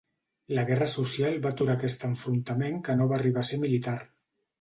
La guerra social va aturar aquest enfrontament que no va arribar a ser militar.